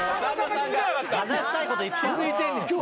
話したいこといっぱい。